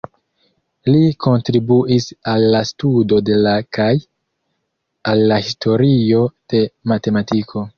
Li kontribuis al la studo de la kaj al la historio de matematiko.